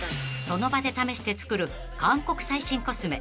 ［その場で試して作る韓国最新コスメ］